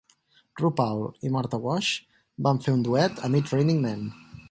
RuPaul i Martha Wash van fer un duet amb "It's Raining Men"...